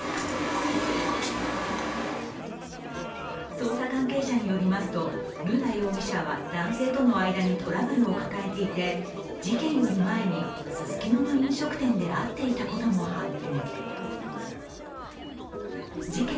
捜査関係者によりますと瑠奈容疑者は男性との間にトラブルを抱えていて、事件より前にススキノの飲食店で会っていたことも判明。